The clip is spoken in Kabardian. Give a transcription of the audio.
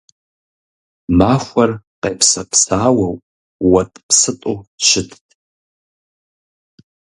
Махуэр къепсэпсауэу уэтӀпсытӀу щытт.